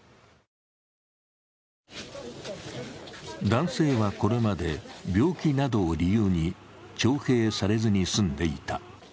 男性はこれまで病気などを理由に徴兵されずに済んでいた。